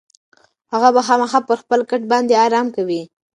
هغه به خامخا پر خپل کټ باندې ارام کوي.